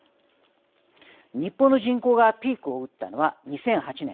日本の人口がピークを打ったのは２００８年。